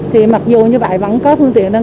thì mặc dù như vậy vẫn có phương tiện